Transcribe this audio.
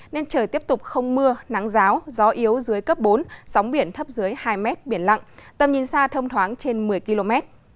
nên trời tiếp tục không mưa nắng ráo gió gió yếu dưới cấp bốn sóng biển thấp dưới hai mét biển lặng tầm nhìn xa thông thoáng trên một mươi km